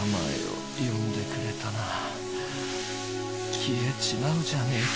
きえちまうじゃねえか。